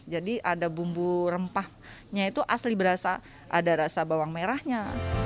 jadi ada bumbu rempahnya itu asli berasa ada rasa bawang merahnya